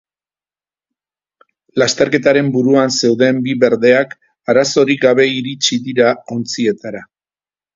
Lasterketaren buruan zeuden bi berdeak arazorik gabe iritsi dira ontzietara.